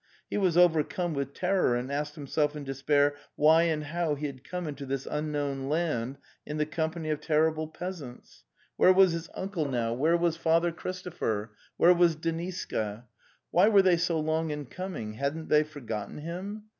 He was overcome with terror and asked himself in des pair why and how he had come into this unknown land in the company of terrible peasants? Where was his uncle now, where was Father Christopher, The Steppe 271 where was Deniska? Why were they so long in coming? Hiadn't they forgotten him?